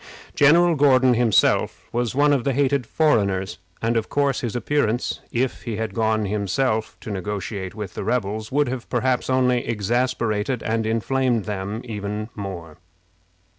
General Gordon himself was one of the hated foreigners, and of course his appearance, if he had gone himself to negotiate with the rebels, would have perhaps only exasperated and inflamed them more than ever.